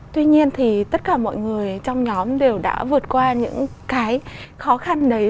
tuy nhiên thì tất cả mọi người trong nhóm đều đã vượt qua những cái khó khăn đấy